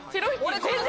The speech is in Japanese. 全然